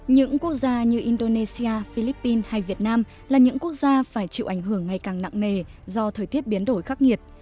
những quốc gia như indonesia philippines hay việt nam là những quốc gia phải chịu ảnh hưởng ngày càng nặng nề do thời tiết biến đổi khắc nghiệt